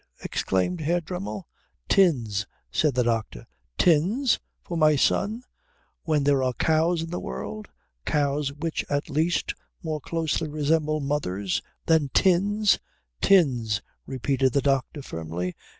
exclaimed Herr Dremmel. "Tins," said the doctor. "Tins? For my son? When there are cows in the world? Cows, which at least more closely resemble mothers than tins?" "Tins," repeated the doctor firmly.